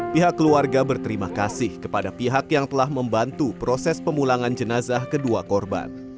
pihak keluarga berterima kasih kepada pihak yang telah membantu proses pemulangan jenazah kedua korban